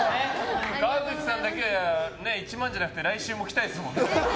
川口さんだけは１万じゃなくて来週も来たいですもんね。